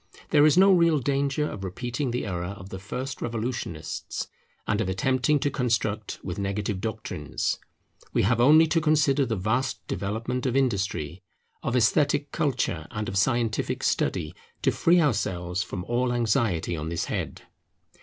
There is no real danger of repeating the error of the first revolutionists and of attempting to construct with negative doctrines. We have only to consider the vast development of industry, of esthetic culture, and of scientific study, to free ourselves from all anxiety on this head.